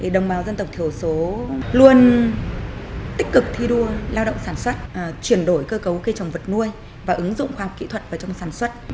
đồng bào dân tộc thiểu số luôn tích cực thi đua lao động sản xuất chuyển đổi cơ cấu cây trồng vật nuôi và ứng dụng khoa học kỹ thuật vào trong sản xuất